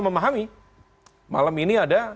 memahami malam ini ada